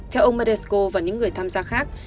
theo ông meresko và những người tham gia khác